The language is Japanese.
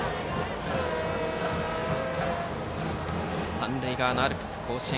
三塁側のアルプス甲子園